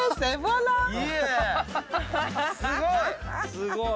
すごい！